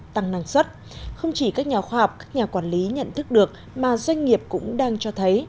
tăng năng suất không chỉ các nhà khoa học các nhà quản lý nhận thức được mà doanh nghiệp cũng đang cho thấy